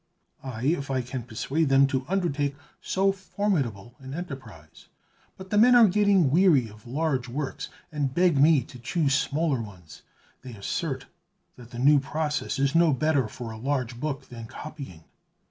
"Aye, if I can persuade them to undertake so formidable an enterprise. But the men are getting weary of large works, and beg me to choose smaller ones; they assert that the new process is no better for a large book than copying.